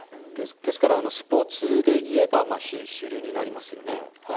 ですからスポーツでいえば非主流になりますよね。